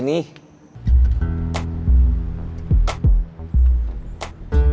namun di tribun saya